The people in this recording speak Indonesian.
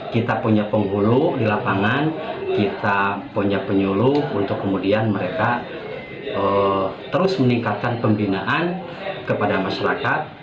kita punya penghulu di lapangan kita punya penyuluh untuk kemudian mereka terus meningkatkan pembinaan kepada masyarakat